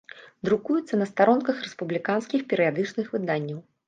Друкуецца на старонках рэспубліканскіх перыядычных выданняў.